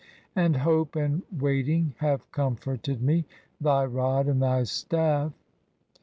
And hope and waiting have comforted me. * Thy rod and thy staff!